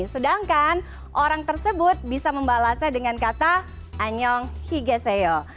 sedangkan orang tersebut bisa membalasnya dengan kata anyonghaseyo